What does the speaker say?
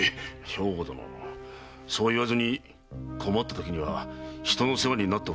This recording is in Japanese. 兵庫殿そう言わずに困ったときは人の世話になっておくものだ。